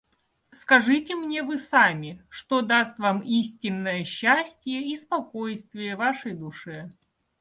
Скажите мне вы сами, что даст вам истинное счастье и спокойствие вашей душе.